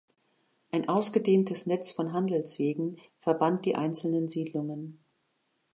Ein ausgedehntes Netz von Handelswegen verband die einzelnen Siedlungen.